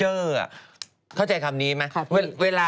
หิวเดี๋ยวเห็นแล้วหิวไง